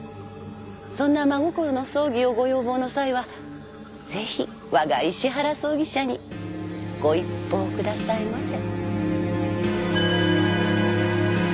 そんな真心の葬儀をご要望の際はぜひわが石原葬儀社にご一報くださいませ。